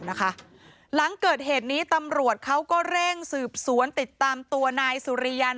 หลังเกิดเหตุนี้ตำรวจเขาก็เร่งสืบสวนติดตามตัวนายสุริยัน